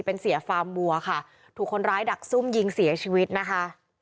เป็นเสียฟาร์มบัวค่ะถูกคนร้ายดักซุ่มยิงเสียชีวิตนะคะ